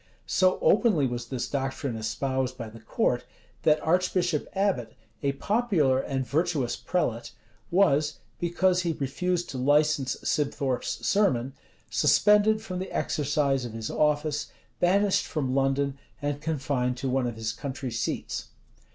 [] So openly was this doctrine espoused by the court, that Archbishop Abbot, a popular and virtuous prelate, was, because he refused to license Sibthorpe's sermon, suspended from the exercise of his office, banished from London, and confined to one of his country seats.